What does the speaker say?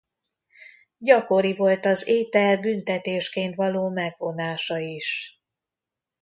Gyakori volt az étel büntetésként való megvonása is.